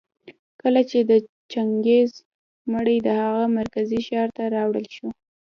کله چي د چنګېز مړى د هغه مرکزي ښار ته راوړل شو